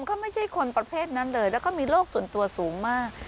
ก็ไม่ใช่คนประเภทนั้นเลยแล้วก็มีโรคส่วนตัวสูงมาก